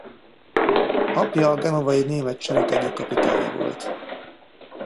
Apja a genovai német sereg egyik kapitánya volt.